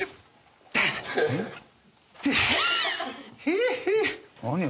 えっ？